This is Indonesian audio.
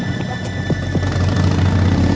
nggak ada apa apa bos better